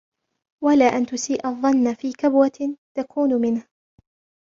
وَلَا أَنْ تُسِيءَ الظَّنَّ فِي كَبْوَةٍ تَكُونُ مِنْهُ